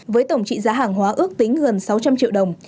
với tổng trị giá hàng hóa ước tính gần sáu trăm linh triệu đồng